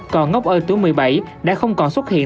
còn ngốc ơi tuổi một mươi bảy đã không còn xuất hiện